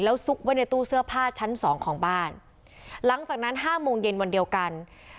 ซุกไว้ในตู้เสื้อผ้าชั้นสองของบ้านหลังจากนั้นห้าโมงเย็นวันเดียวกัน